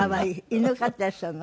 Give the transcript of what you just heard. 犬飼っていらっしゃるの？